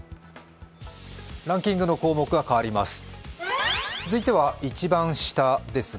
ランキングの項目が変わります。